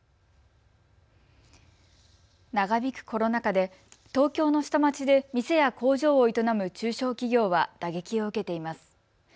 長引くコロナ禍で東京の下町で店や工場を営む中小企業は打撃を受けています。